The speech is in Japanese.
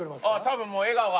多分もう笑顔が。